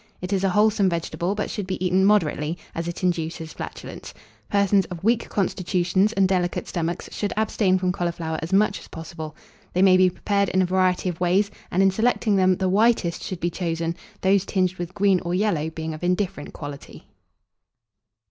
It is a wholesome vegetable, but should be eaten moderately, as it induces flatulence. Persons of weak constitutions and delicate stomachs should abstain from cauliflower as much as possible. They may be prepared in a variety of ways; and, in selecting them, the whitest should be chosen; those tinged with green or yellow being of indifferent quality.